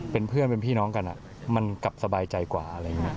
เป็นเพื่อนเป็นพี่น้องกันอ่ะมันกลับสบายใจกว่า